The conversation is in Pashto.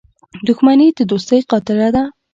• دښمني د دوستۍ قاتله ده.